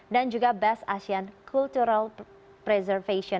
dan juga best asian culture